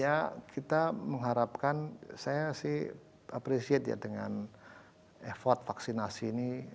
ya kita mengharapkan saya sih appreciate ya dengan effort vaksinasi ini